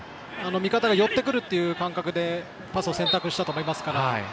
味方が寄ってくる感覚でパスを選択したと思いますから。